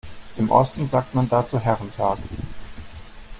Im Osten sagt man dazu Herrentag.